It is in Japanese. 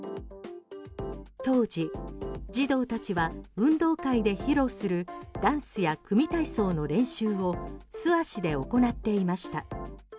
当時、児童たちは運動会で披露するダンスや組み体操の練習を素足で行っていました。